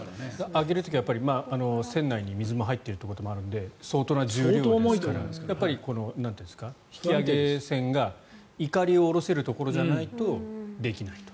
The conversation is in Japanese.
揚げる時はやっぱり船内に水が入っていることもあるので相当な重量ですからやっぱり引き揚げ船がいかりを下ろせるところじゃないとできないと。